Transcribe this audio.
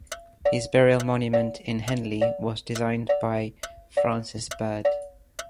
His burial monument in Henley was designed bt Francis Bird.